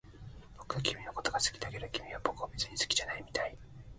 僕は君のことが好きだけど、君は僕を別に好きじゃないみたい